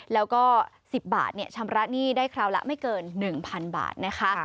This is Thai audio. แล้วก็๑๐บาทชำระหนี้ได้คราวละไม่เกิน๑๐๐๐บาทนะคะ